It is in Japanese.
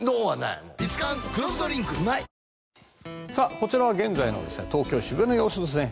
こちらは現在の東京・渋谷の様子ですね。